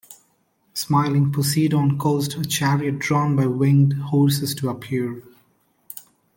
Smiling, Poseidon caused a chariot drawn by winged horses to appear.